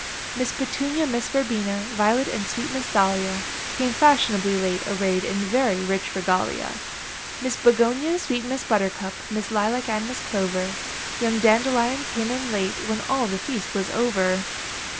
Miss Petunia, Miss Verbena, Violet, And sweet Miss Dahlia Came fashionably late, arrayed In very rich regalia. Miss Begonia, sweet Miss Buttercup, Miss Lilac and Miss Clover; Young Dandelion came in late When all the feast was over.